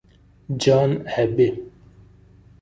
John Abbey